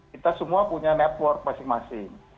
kita semua punya network masing masing